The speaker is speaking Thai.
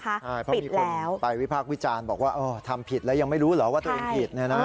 ใช่เพราะมีคนไปวิพากษ์วิจารณ์บอกว่าทำผิดแล้วยังไม่รู้เหรอว่าตัวเองผิด